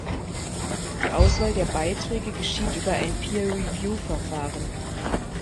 Die Auswahl der Beiträge geschieht über ein Peer-Review Verfahren.